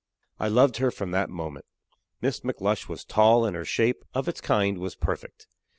I loved her from that moment. Miss McLush was tall, and her shape, of its kind, was perfect.